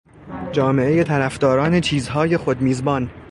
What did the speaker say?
جامعهٔ طرفداران چیزهای خودمیزبان.